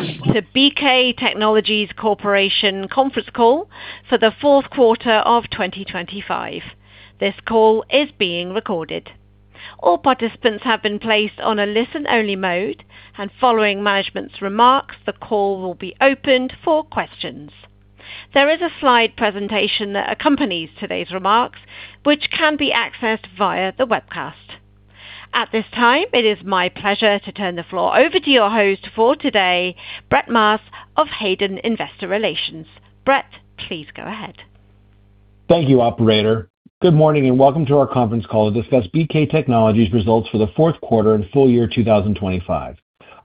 Welcome to BK Technologies Corporation conference call for the fourth quarter of 2025. This call is being recorded. All participants have been placed on a listen-only mode, and following management's remarks, the call will be opened for questions. There is a slide presentation that accompanies today's remarks, which can be accessed via the webcast. At this time, it is my pleasure to turn the floor over to your host for today, Brett Maas of Hayden IR. Brett, please go ahead. Thank you, operator. Good morning, and welcome to our conference call to discuss BK Technologies results for the fourth quarter and full year 2025.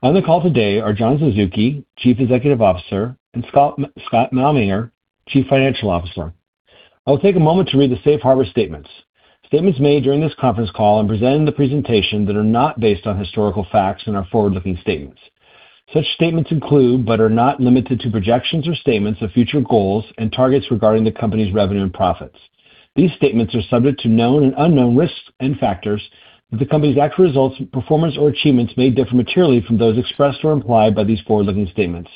On the call today are John Suzuki, Chief Executive Officer, and Scott Malmanger, Chief Financial Officer. I will take a moment to read the Safe Harbor statements. Statements made during this conference call and presented in the presentation that are not based on historical facts and are forward-looking statements. Such statements include, but are not limited to, projections or statements of future goals and targets regarding the company's revenue and profits. These statements are subject to known and unknown risks and factors that the company's actual results, performance, or achievements may differ materially from those expressed or implied by these forward-looking statements.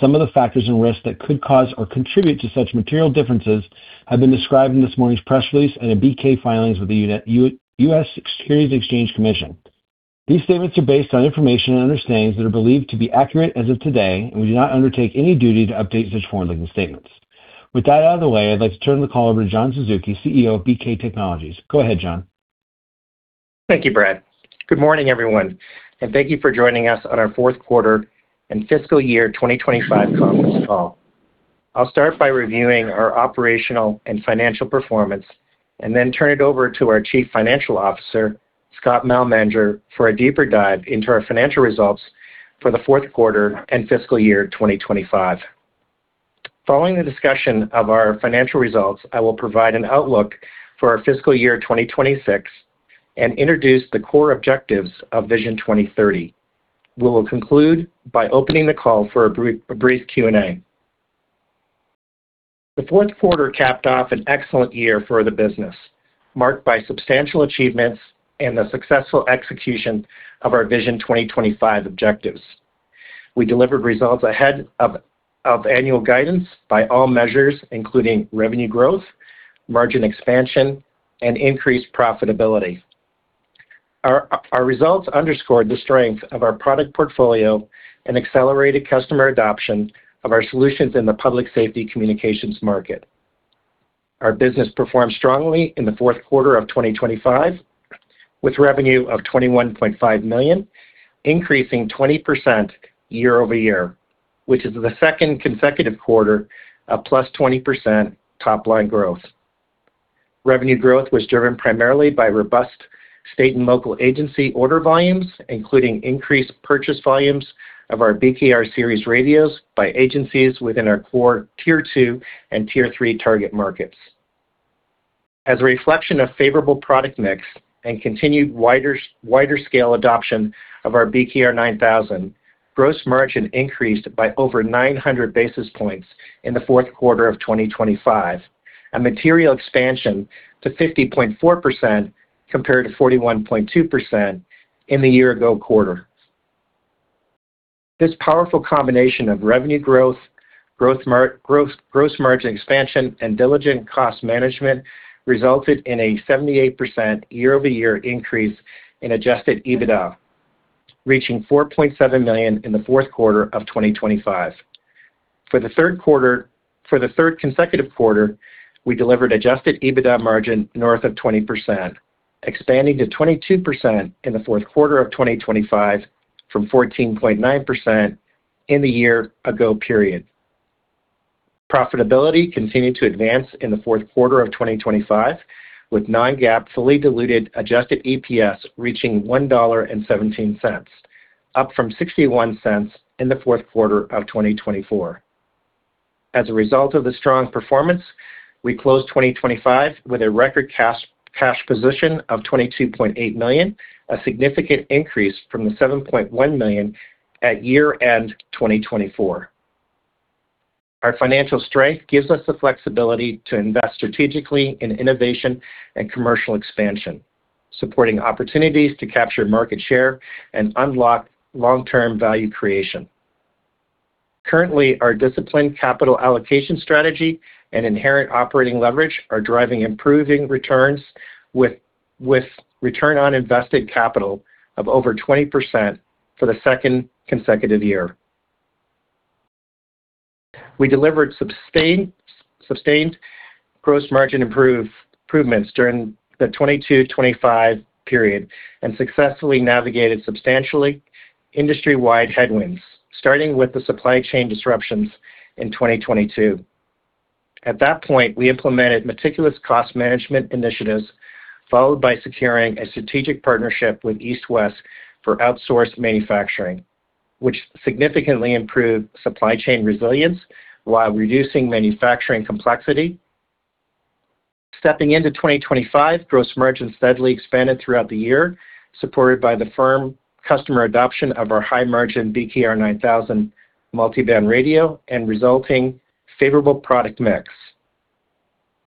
Some of the factors and risks that could cause or contribute to such material differences have been described in this morning's press release and in BK filings with the U.S. Securities and Exchange Commission. These statements are based on information and understandings that are believed to be accurate as of today, and we do not undertake any duty to update such forward-looking statements. With that out of the way, I'd like to turn the call over to John Suzuki, CEO of BK Technologies. Go ahead, John. Thank you, Brett. Good morning, everyone, and thank you for joining us on our fourth quarter and fiscal year 2025 conference call. I'll start by reviewing our operational and financial performance and then turn it over to our Chief Financial Officer, Scott Malmanger, for a deeper dive into our financial results for the fourth quarter and fiscal year 2025. Following the discussion of our financial results, I will provide an outlook for our fiscal year 2026 and introduce the core objectives of Vision 2030. We will conclude by opening the call for a brief Q&A. The fourth quarter capped off an excellent year for the business, marked by substantial achievements and the successful execution of our Vision 2025 objectives. We delivered results ahead of annual guidance by all measures, including revenue growth, margin expansion, and increased profitability. Our results underscored the strength of our product portfolio and accelerated customer adoption of our solutions in the public safety communications market. Our business performed strongly in the fourth quarter of 2025, with revenue of $21.5 million, increasing 20% year-over-year, which is the second consecutive quarter of +20% top-line growth. Revenue growth was driven primarily by robust state and local agency order volumes, including increased purchase volumes of our BKR Series radios by agencies within our core Tier 2 and Tier 3 target markets. As a reflection of favorable product mix and continued wider-scale adoption of our BKR9000, gross margin increased by over 900 basis points in the fourth quarter of 2025. A material expansion to 50.4% compared to 41.2% in the year-ago quarter. This powerful combination of revenue growth, gross margin expansion and diligent cost management resulted in a 78% year-over-year increase in adjusted EBITDA, reaching $4.7 million in the fourth quarter of 2025. For the third consecutive quarter, we delivered adjusted EBITDA margin north of 20%, expanding to 22% in the fourth quarter of 2025 from 14.9% in the year ago period. Profitability continued to advance in the fourth quarter of 2025, with non-GAAP fully diluted adjusted EPS reaching $1.17, up from $0.61 in the fourth quarter of 2024. As a result of the strong performance, we closed 2025 with a record cash position of $22.8 million, a significant increase from the $7.1 million at year-end 2024. Our financial strength gives us the flexibility to invest strategically in innovation and commercial expansion, supporting opportunities to capture market share and unlock long-term value creation. Currently, our disciplined capital allocation strategy and inherent operating leverage are driving improving returns with return on invested capital of over 20% for the second consecutive year. We delivered sustained gross margin improvements during the 2022-2025 period and successfully navigated substantial industry-wide headwinds, starting with the supply chain disruptions in 2022. At that point, we implemented meticulous cost management initiatives, followed by securing a strategic partnership with East West Manufacturing for outsourced manufacturing, which significantly improved supply chain resilience while reducing manufacturing complexity. Stepping into 2025, gross margin steadily expanded throughout the year, supported by the firm customer adoption of our high-margin BKR9000 multiband radio and resulting favorable product mix.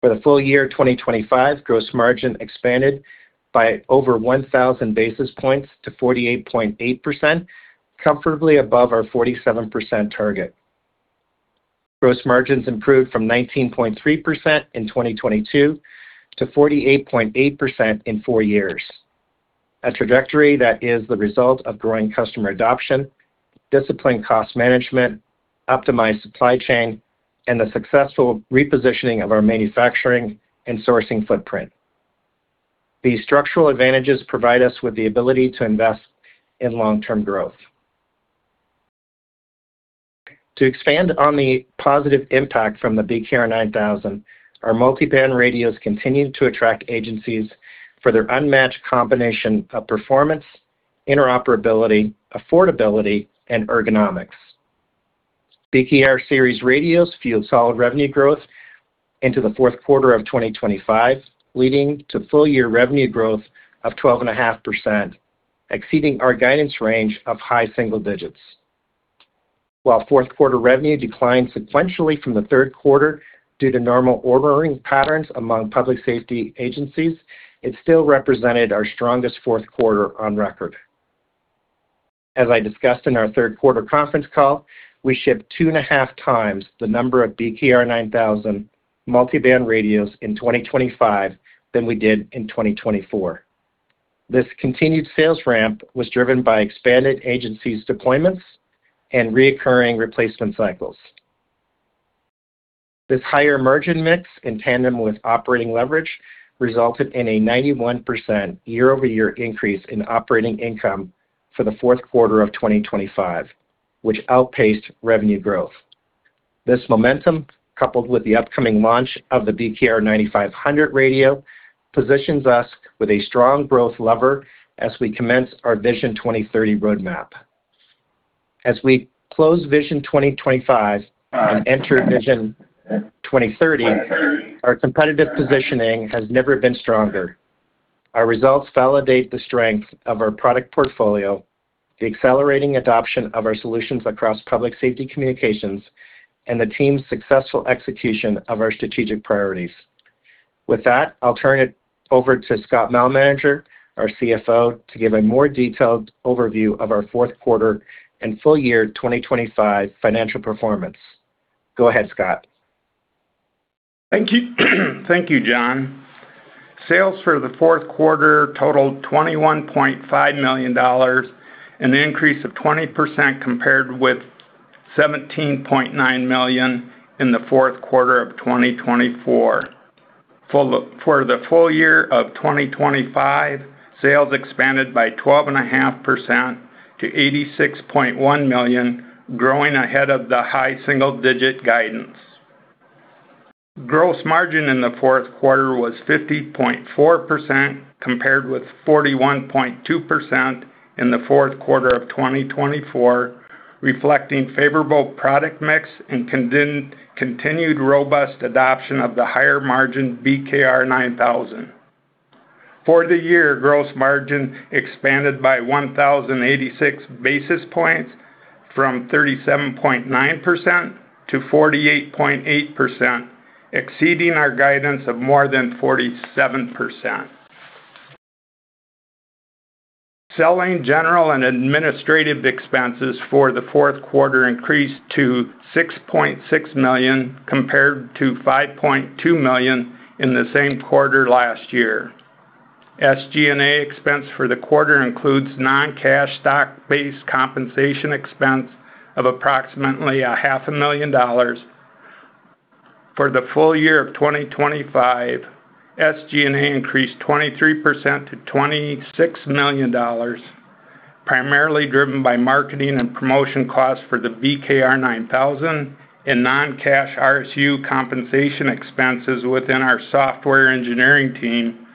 For the full year 2025, gross margin expanded by over 1,000 basis points to 48.8%, comfortably above our 47% target. Gross margins improved from 19.3% in 2022 to 48.8% in four years. A trajectory that is the result of growing customer adoption, disciplined cost management, optimized supply chain, and the successful repositioning of our manufacturing and sourcing footprint. These structural advantages provide us with the ability to invest in long-term growth. To expand on the positive impact from the BKR9000, our multi-band radios continued to attract agencies for their unmatched combination of performance, interoperability, affordability, and ergonomics. BKR Series radios fueled solid revenue growth into the fourth quarter of 2025, leading to full-year revenue growth of 12.5%, exceeding our guidance range of high single digits. While fourth quarter revenue declined sequentially from the third quarter due to normal ordering patterns among public safety agencies, it still represented our strongest fourth quarter on record. As I discussed in our third quarter conference call, we shipped 2.5 times the number of BKR9000 multiband radios in 2025 than we did in 2024. This continued sales ramp was driven by expanded agency deployments and recurring replacement cycles. This higher margin mix, in tandem with operating leverage, resulted in a 91% year-over-year increase in operating income for the fourth quarter of 2025, which outpaced revenue growth. This momentum, coupled with the upcoming launch of the BKR9500 radio, positions us with a strong growth lever as we commence our Vision 2030 roadmap. As we close Vision 2025 and enter Vision 2030, our competitive positioning has never been stronger. Our results validate the strength of our product portfolio, the accelerating adoption of our solutions across public safety communications, and the team's successful execution of our strategic priorities. With that, I'll turn it over to Scott Malmanger, our CFO, to give a more detailed overview of our fourth quarter and full year 2025 financial performance. Go ahead, Scott. Thank you. Thank you, John. Sales for the fourth quarter totaled $21.5 million, an increase of 20% compared with $17.9 million in the fourth quarter of 2024. For the full year of 2025, sales expanded by 12.5% to $86.1 million, growing ahead of the high single-digit guidance. Gross margin in the fourth quarter was 50.4% compared with 41.2% in the fourth quarter of 2024, reflecting favorable product mix and continued robust adoption of the higher margin BKR9000. For the year, gross margin expanded by 1,086 basis points from 37.9% to 48.8%, exceeding our guidance of more than 47%. Selling, general, and administrative expenses for the fourth quarter increased to $6.6 million compared to $5.2 million in the same quarter last year. SG&A expense for the quarter includes non-cash stock-based compensation expense of approximately a half a million dollars. For the full year of 2025, SG&A increased 23% to $26 million, primarily driven by marketing and promotion costs for the BKR9000 and non-cash RSU compensation expenses within our software engineering team,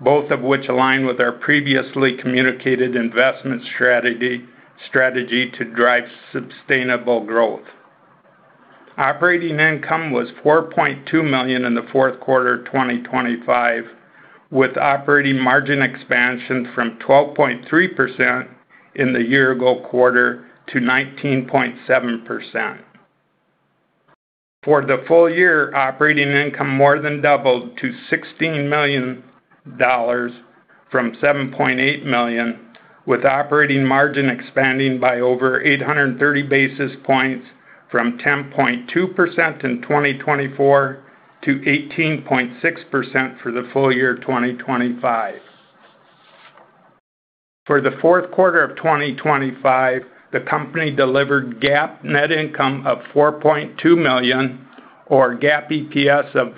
both of which align with our previously communicated investment strategy to drive sustainable growth. Operating income was $4.2 million in the fourth quarter of 2025, with operating margin expansion from 12.3% in the year ago quarter to 19.7%. For the full year, operating income more than doubled to $16 million from $7.8 million, with operating margin expanding by over 830 basis points from 10.2% in 2024 to 18.6% for the full year 2025. For the fourth quarter of 2025, the company delivered GAAP net income of $4.2 million or GAAP EPS of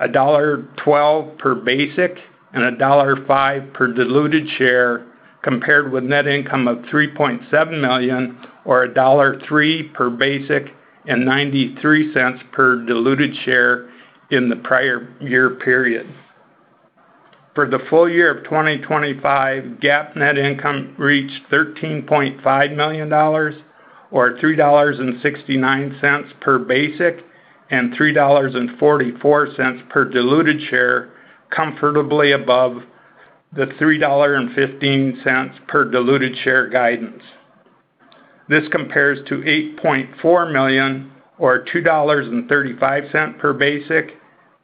$1.12 per basic and $1.05 per diluted share, compared with net income of $3.7 million or $1.03 per basic and 93 cents per diluted share in the prior year period. For the full year of 2025, GAAP net income reached $13.5 million, or $3.69 per basic and $3.44 per diluted share, comfortably above the $3.15 per diluted share guidance. This compares to $8.4 million or $2.35 per basic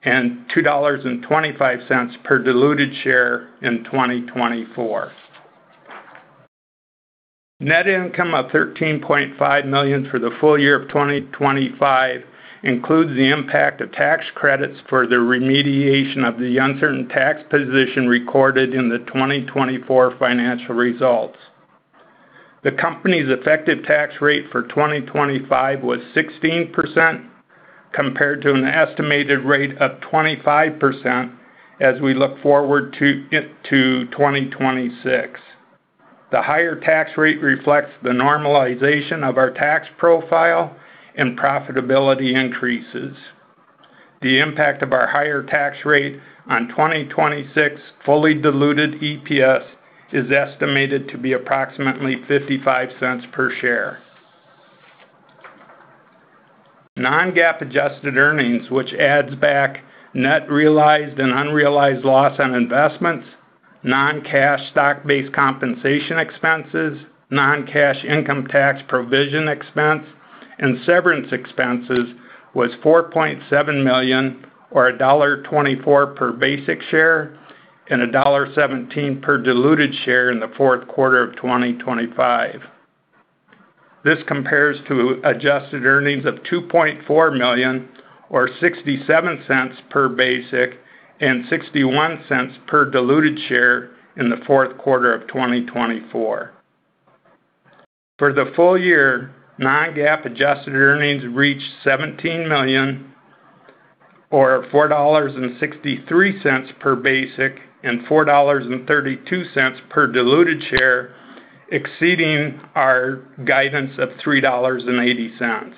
and $2.25 per diluted share in 2024. Net income of $13.5 million for the full year of 2025 includes the impact of tax credits for the remediation of the uncertain tax position recorded in the 2024 financial results. The company's effective tax rate for 2025 was 16% compared to an estimated rate of 25% as we look forward to get to 2026. The higher tax rate reflects the normalization of our tax profile and profitability increases. The impact of our higher tax rate on 2026 fully diluted EPS is estimated to be approximately $0.55 per share. Non-GAAP adjusted earnings, which adds back net realized and unrealized loss on investments, non-cash stock-based compensation expenses, non-cash income tax provision expense, and severance expenses, was $4.7 million or $1.24 per basic share and $1.17 per diluted share in the fourth quarter of 2025. This compares to adjusted earnings of $2.4 million or $0.67 per basic and $0.61 per diluted share in the fourth quarter of 2024. For the full year, non-GAAP adjusted earnings reached $17 million or $4.63 per basic and $4.32 per diluted share, exceeding our guidance of $3.80.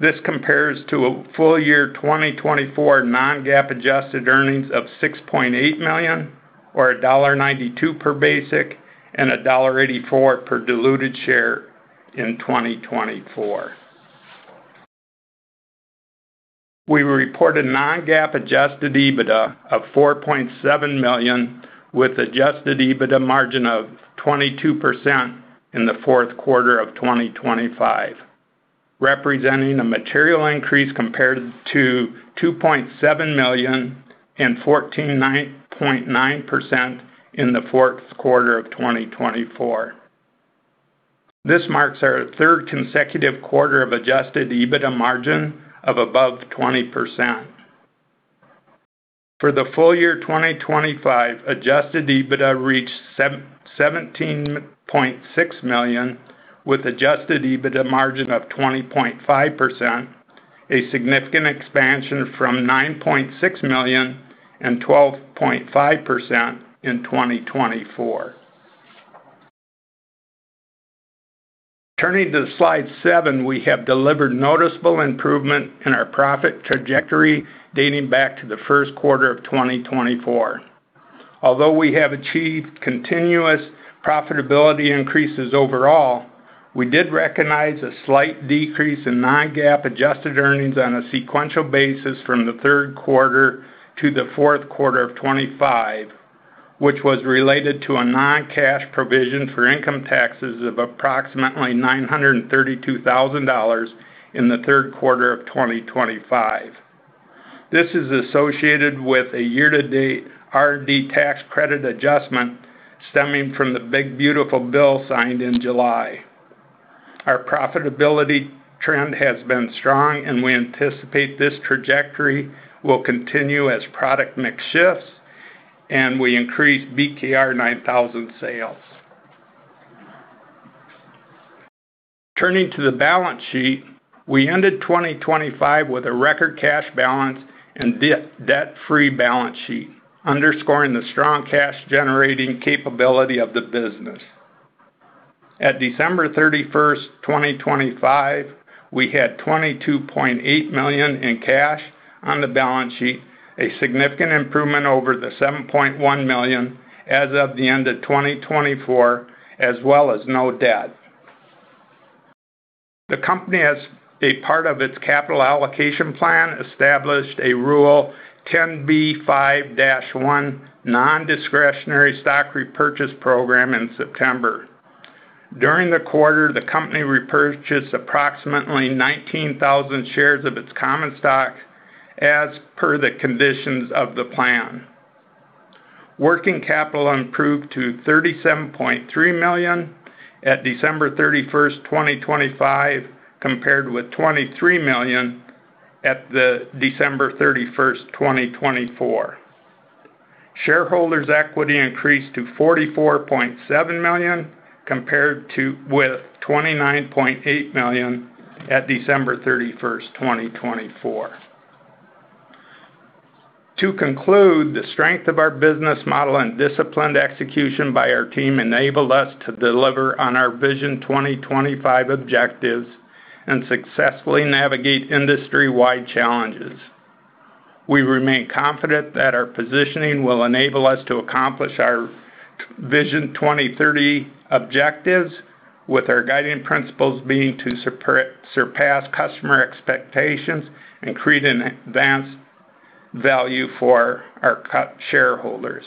This compares to a full year 2024 non-GAAP adjusted earnings of $6.8 million or $1.92 per basic and $1.84 per diluted share in 2024. We reported non-GAAP adjusted EBITDA of $4.7 million with adjusted EBITDA margin of 22% in the fourth quarter of 2025, representing a material increase compared to $2.7 million and 14.9% in the fourth quarter of 2024. This marks our third consecutive quarter of adjusted EBITDA margin of above 20%. For the full year 2025, adjusted EBITDA reached $17.6 million with adjusted EBITDA margin of 20.5%, a significant expansion from $9.6 million and 12.5% in 2024. Turning to slide seven, we have delivered noticeable improvement in our profit trajectory dating back to the first quarter of 2024. Although we have achieved continuous profitability increases overall, we did recognize a slight decrease in non-GAAP adjusted earnings on a sequential basis from the third quarter to the fourth quarter of 2025, which was related to a non-cash provision for income taxes of approximately $932,000 in the third quarter of 2025. This is associated with a year-to-date R&D tax credit adjustment stemming from the Big Beautiful Bill signed in July. Our profitability trend has been strong, and we anticipate this trajectory will continue as product mix shifts and we increase BKR-9000 sales. Turning to the balance sheet, we ended 2025 with a record cash balance and debt-free balance sheet, underscoring the strong cash-generating capability of the business. At December 31, 2025, we had $22.8 million in cash on the balance sheet, a significant improvement over the $7.1 million as of the end of 2024, as well as no debt. The company, as a part of its capital allocation plan, established a Rule 10b5-1 non-discretionary stock repurchase program in September. During the quarter, the company repurchased approximately 19,000 shares of its common stock as per the conditions of the plan. Working capital improved to $37.3 million at December 31, 2025, compared with $23 million at December 31, 2024. Shareholders' equity increased to $44.7 million, compared with $29.8 million at December 31, 2024. To conclude, the strength of our business model and disciplined execution by our team enabled us to deliver on our Vision 2025 objectives and successfully navigate industry-wide challenges. We remain confident that our positioning will enable us to accomplish our Vision 2030 objectives, with our guiding principles being to surpass customer expectations and create advanced value for our key shareholders.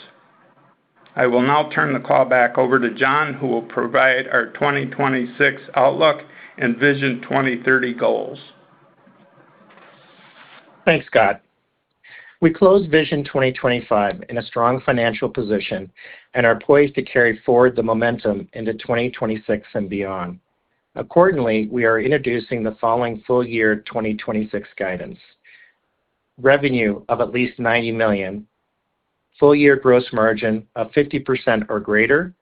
I will now turn the call back over to John, who will provide our 2026 outlook and Vision 2030 goals. Thanks, Scott. We closed Vision 2025 in a strong financial position and are poised to carry forward the momentum into 2026 and beyond. Accordingly, we are introducing the following full year 2026 guidance. Revenue of at least $90 million. Full year gross margin of 50% or greater.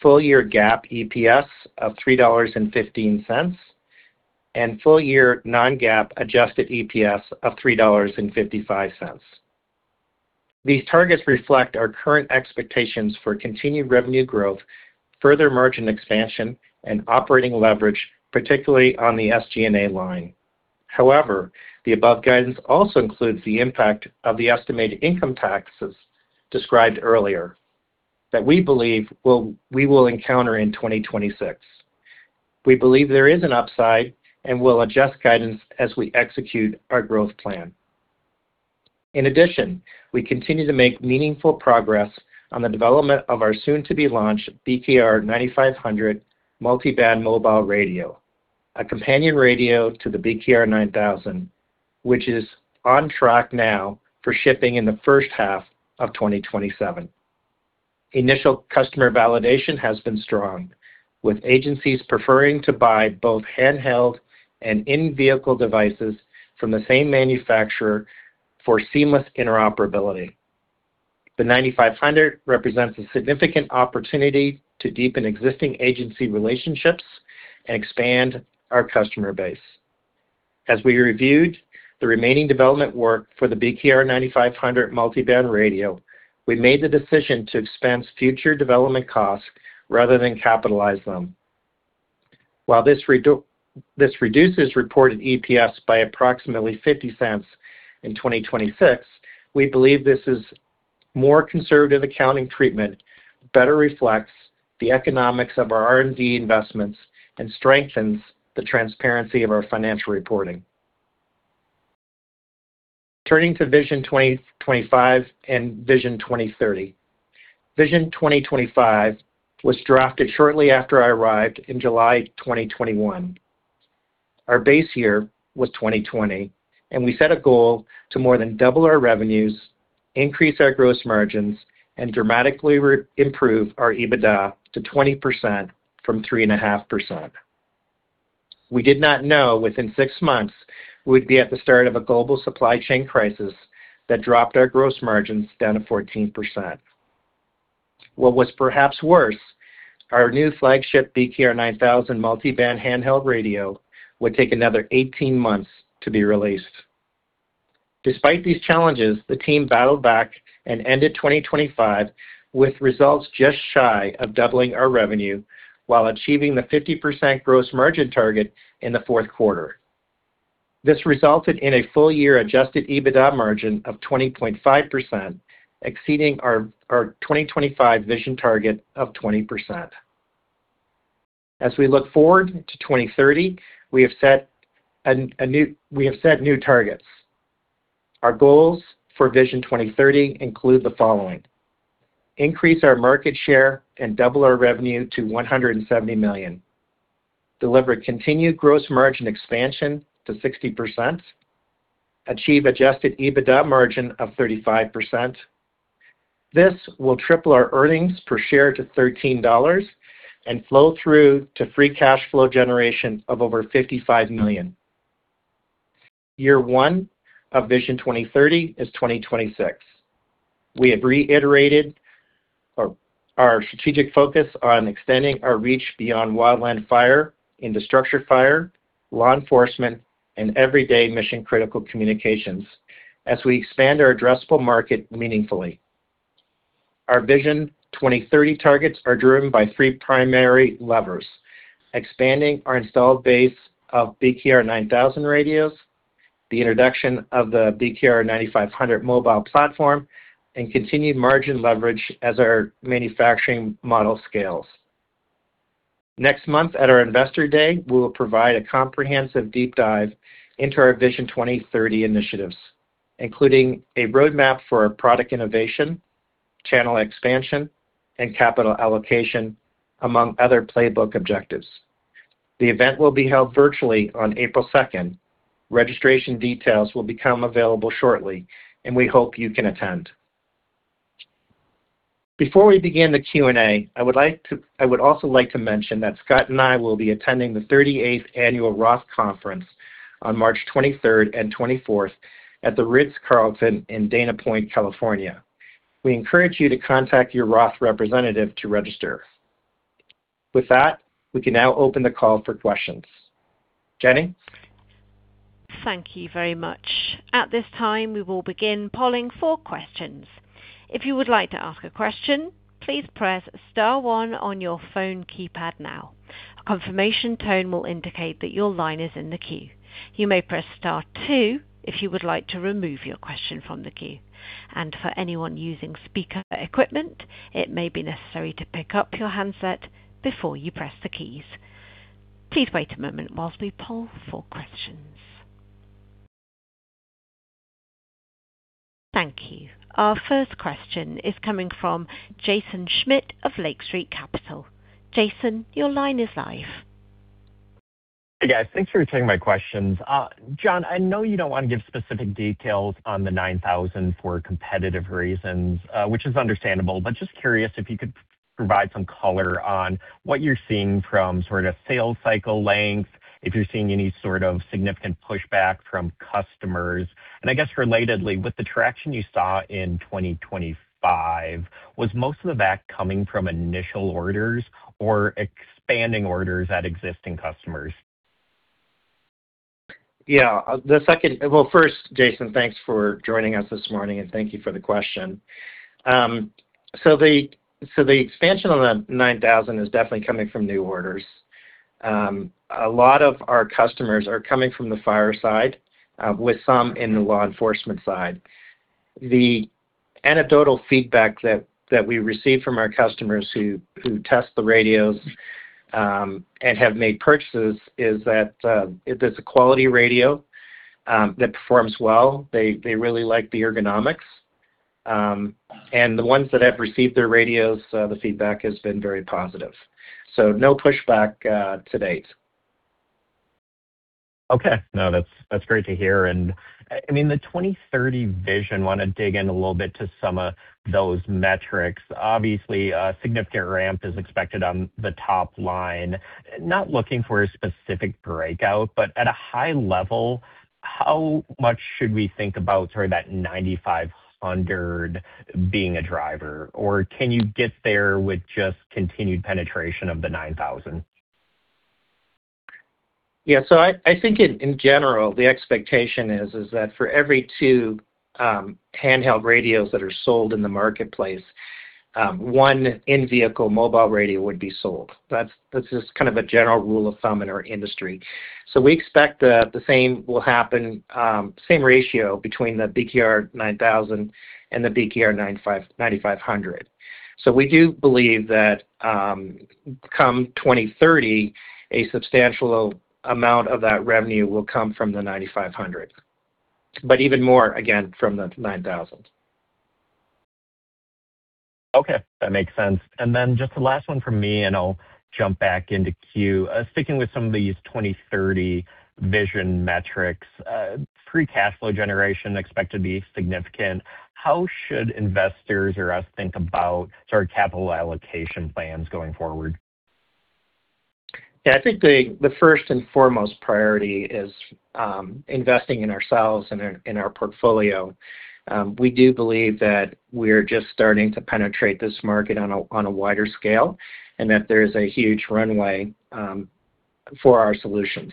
Full year GAAP EPS of $3.15, and full year non-GAAP adjusted EPS of $3.55. These targets reflect our current expectations for continued revenue growth, further margin expansion, and operating leverage, particularly on the SG&A line. However, the above guidance also includes the impact of the estimated income taxes described earlier that we will encounter in 2026. We believe there is an upside and we'll adjust guidance as we execute our growth plan. In addition, we continue to make meaningful progress on the development of our soon-to-be-launched BKR9500 multiband mobile radio, a companion radio to the BKR9000, which is on track now for shipping in the first half of 2027. Initial customer validation has been strong, with agencies preferring to buy both handheld and in-vehicle devices from the same manufacturer for seamless interoperability. The 9500 represents a significant opportunity to deepen existing agency relationships and expand our customer base. As we reviewed the remaining development work for the BKR9500 multiband radio, we made the decision to expense future development costs rather than capitalize them. While this reduces reported EPS by approximately $0.50 in 2026, we believe this is more conservative accounting treatment, better reflects the economics of our R&D investments, and strengthens the transparency of our financial reporting. Turning to Vision 2025 and Vision 2030. Vision 2025 was drafted shortly after I arrived in July 2021. Our base year was 2020, and we set a goal to more than double our revenues, increase our gross margins, and dramatically re-improve our EBITDA to 20% from 3.5%. We did not know within six months we'd be at the start of a global supply chain crisis that dropped our gross margins down to 14%. What was perhaps worse, our new flagship BKR9000 multiband handheld radio would take another 18 months to be released. Despite these challenges, the team battled back and ended 2025 with results just shy of doubling our revenue while achieving the 50% gross margin target in the fourth quarter. This resulted in a full year adjusted EBITDA margin of 20.5%, exceeding our 2025 vision target of 20%. As we look forward to 2030, we have set new targets. Our goals for Vision 2030 include the following. Increase our market share and double our revenue to $170 million. Deliver continued gross margin expansion to 60%. Achieve adjusted EBITDA margin of 35%. This will triple our earnings per share to $13 and flow through to free cash flow generation of over $55 million. Year one of Vision 2030 is 2026. We have reiterated our strategic focus on extending our reach beyond wildland fire into structured fire, law enforcement, and everyday mission-critical communications as we expand our addressable market meaningfully. Our Vision 2030 targets are driven by three primary levers, expanding our installed base of BKR9000 radios, the introduction of the BKR9500 mobile platform, and continued margin leverage as our manufacturing model scales. Next month at our Investor Day, we will provide a comprehensive deep dive into our Vision 2030 initiatives, including a roadmap for our product innovation, channel expansion, and capital allocation, among other playbook objectives. The event will be held virtually on April 2. Registration details will become available shortly, and we hope you can attend. Before we begin the Q&A, I would also like to mention that Scott and I will be attending the 38th annual ROTH Conference on March 23 and 24 at the Ritz-Carlton in Dana Point, California. We encourage you to contact your Roth representative to register. With that, we can now open the call for questions. Jenny? Thank you very much. At this time, we will begin polling for questions. If you would like to ask a question, please press star one on your phone keypad now. A confirmation tone will indicate that your line is in the queue. You may press star two if you would like to remove your question from the queue. For anyone using speaker equipment, it may be necessary to pick up your handset before you press the keys. Please wait a moment while we poll for questions. Thank you. Our first question is coming from Jaeson Schmidt of Lake Street Capital Markets. Jaeson, your line is live. Hey, guys. Thanks for taking my questions. John, I know you don't want to give specific details on the BKR9000 for competitive reasons, which is understandable, but just curious if you could provide some color on what you're seeing from sort of sales cycle length, if you're seeing any sort of significant pushback from customers. I guess relatedly, with the traction you saw in 2025, was most of the bookings coming from initial orders or expanding orders at existing customers? Yeah. Well, first, Jaeson, thanks for joining us this morning, and thank you for the question. So the expansion on the 9000 is definitely coming from new orders. A lot of our customers are coming from the fire side, with some in the law enforcement side. The anecdotal feedback that we receive from our customers who test the radios and have made purchases is that it is a quality radio that performs well. They really like the ergonomics. And the ones that have received their radios, the feedback has been very positive. No pushback to date. Okay. No, that's great to hear. The Vision 2030, want to dig in a little bit to some of those metrics. Obviously, a significant ramp is expected on the top line. Not looking for a specific breakout, but at a high level, how much should we think about sort of that 9,500 being a driver? Or can you get there with just continued penetration of the 9,000? Yeah. I think in general the expectation is that for every two handheld radios that are sold in themarketplace, one in-vehicle mobile radio would be sold. That's just kind of a general rule of thumb in our industry. We expect the same will happen, same ratio between the BKR9000 and the BKR9500. We do believe that come 2030, a substantial amount of that revenue will come from the BKR9500, but even more again from the BKR9000. Okay. That makes sense. Just the last one from me, and I'll jump back into queue. Sticking with some of these Vision 2030 metrics, free cash flow generation expect to be significant. How should investors or us think about sort of capital allocation plans going forward? Yeah. I think the first and foremost priority is investing in ourselves and in our portfolio. We do believe that we're just starting to penetrate this market on a wider scale, and that there is a huge runway for our solutions.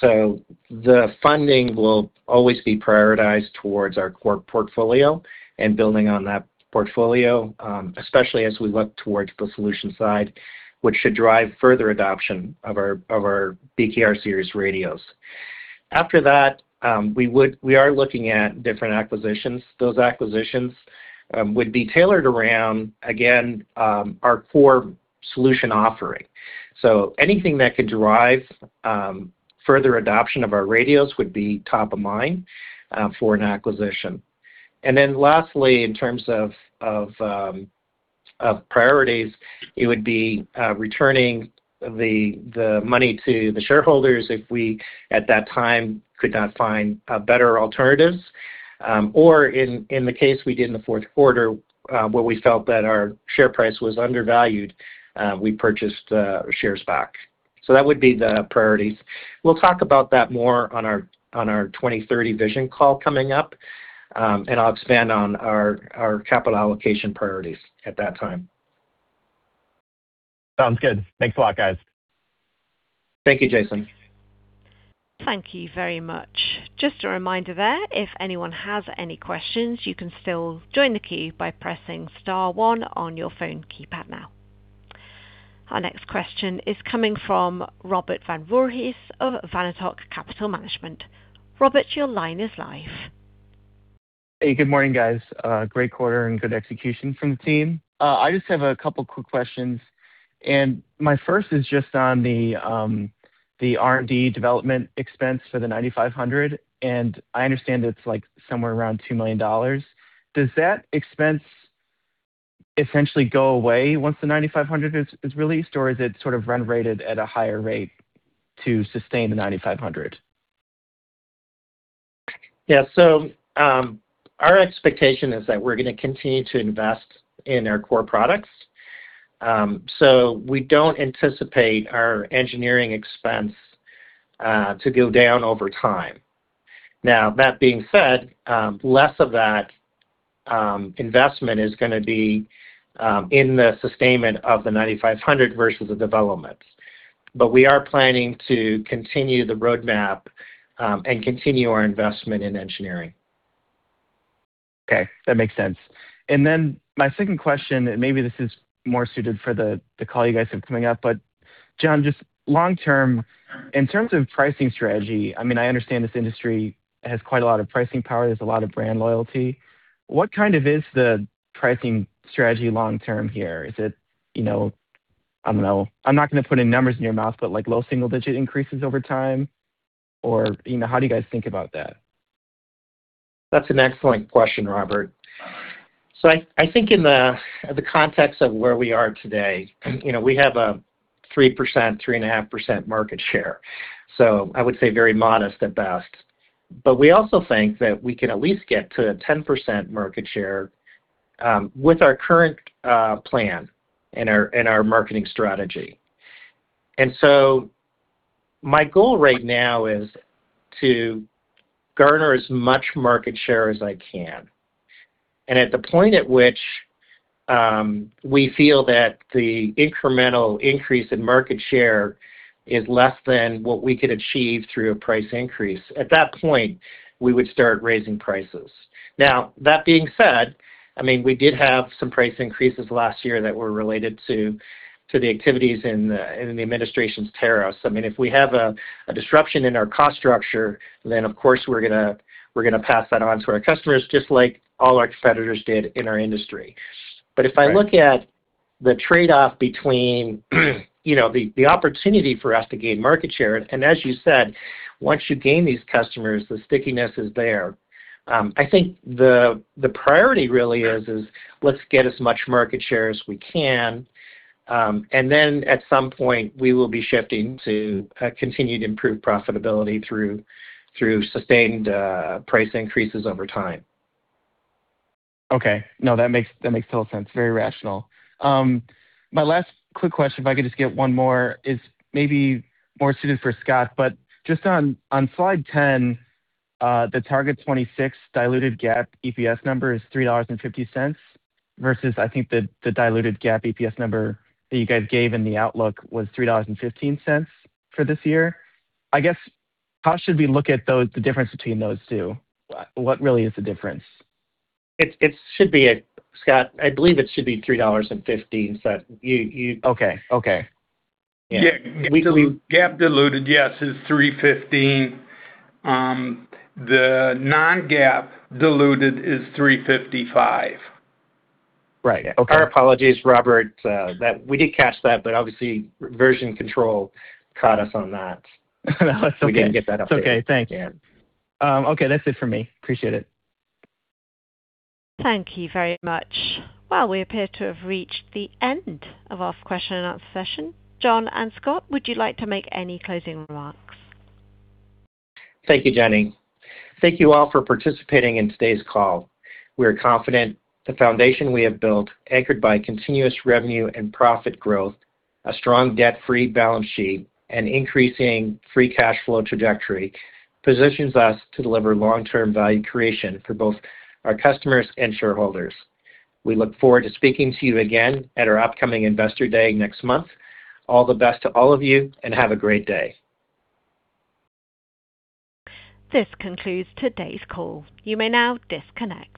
The funding will always be prioritized towards our core portfolio and building on that portfolio, especially as we look towards the solution side, which should drive further adoption of our BKR Series radios. After that, we are looking at different acquisitions. Those acquisitions would be tailored around, again, our core solution offering. Anything that could drive further adoption of our radios would be top of mind for an acquisition. Lastly, in terms of priorities, it would be returning the money to the shareholders if we, at that time, could not find better alternatives. In the case we did in the fourth quarter, where we felt that our share price was undervalued, we purchased shares back. That would be the priorities. We'll talk about that more on our Vision 2030 call coming up, and I'll expand on our capital allocation priorities at that time. Sounds good. Thanks a lot, guys. Thank you, Jaeson. Thank you very much. Just a reminder there, if anyone has any questions, you can still join the queue by pressing star one on your phone keypad now. Our next question is coming from Robert Van Voorhis of Vanatoc Capital Management. Robert, your line is live. Hey, good morning, guys. Great quarter and good execution from the team. I just have a couple quick questions. My first is just on the R&D development expense for the ninety-five hundred, and I understand it's like somewhere around $2 million. Does that expense essentially go away once the ninety-five hundred is released, or is it sort of run rated at a higher rate to sustain the ninety-five hundred? Yeah. Our expectation is that we're going to continue to invest in our core products. We don't anticipate our engineering expense to go down over time. Now, that being said, less of that investment is going to be in the sustainment of the 9500 versus the development. We are planning to continue the roadmap and continue our investment in engineering. Okay, that makes sense. Then my second question, and maybe this is more suited for the call you guys have coming up, but John, just long-term, in terms of pricing strategy, I understand this industry has quite a lot of pricing power. There's a lot of brand loyalty. What kind of pricing strategy long term here? Is it, I don't know, I'm not going to put any numbers in your mouth, but like low single digit increases over time or how do you guys think about that? That's an excellent question, Robert. I think in the context of where we are today, we have a 3%, 3.5% market share. I would say very modest at best. We also think that we can at least get to a 10% market share with our current plan and our marketing strategy. My goal right now is to garner as much market share as I can. At the point at which we feel that the incremental increase in market share is less than what we could achieve through a price increase, at that point, we would start raising prices. That being said, I mean, we did have some price increases last year that were related to the activities in the administration's tariffs. I mean, if we have a disruption in our cost structure, then of course we're going to pass that on to our customers, just like all our competitors did in our industry. If I look at the trade-off between the opportunity for us to gain market share, and as you said, once you gain these customers, the stickiness is there. I think the priority really is let's get as much market share as we can, and then at some point we will be shifting to continued improved profitability through sustained price increases over time. Okay. No, that makes total sense. Very rational. My last quick question, if I could just get one more, is maybe more suited for Scott, but just on slide 10, the target 2026 diluted GAAP EPS number is $3.50 versus I think the diluted GAAP EPS number that you guys gave in the outlook was $3.15 for this year. I guess, how should we look at the difference between those two? What really is the difference? It should be, Scott. I believe it should be $3.15. Okay. Okay. Yeah. Yeah. GAAP diluted, yes, is $0.315. The non-GAAP diluted is $0.355. Right. Okay. Our apologies, Robert, that we did catch that, but obviously version control caught us on that. No, that's okay. We didn't get that update. It's okay. Thank you. Yeah. Okay. That's it for me. Appreciate it. Thank you very much. Well, we appear to have reached the end of our question and answer session. John and Scott, would you like to make any closing remarks? Thank you, Jenny. Thank you all for participating in today's call. We are confident the foundation we have built, anchored by continuous revenue and profit growth, a strong debt-free balance sheet, and increasing free cash flow trajectory, positions us to deliver long-term value creation for both our customers and shareholders. We look forward to speaking to you again at our upcoming investor day next month. All the best to all of you, and have a great day. This concludes today's call. You may now disconnect.